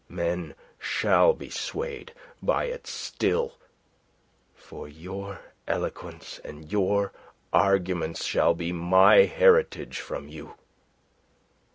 Men shall be swayed by it still. For your eloquence and your arguments shall be my heritage from you.